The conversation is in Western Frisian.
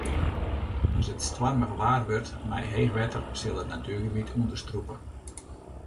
As it stoarmich waar wurdt mei heech wetter sil it natuergebiet ûnderstrûpe.